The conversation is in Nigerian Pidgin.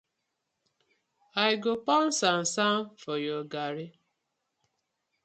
I go pour sand sand for your garri.